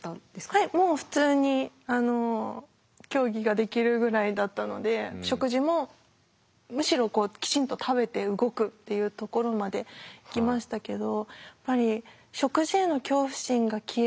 はいもう普通に競技ができるぐらいだったので食事もむしろきちんと食べて動くっていうところまでいきましたけど